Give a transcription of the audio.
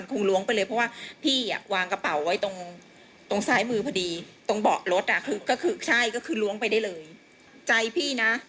นี่คือคนผู้เลี้ยง